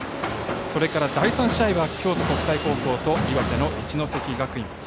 それから第３試合は京都国際高校と岩手の一関学院。